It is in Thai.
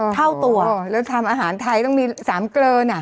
เท่าตัวแล้วทำอาหารไทยต้องมี๓เกลิน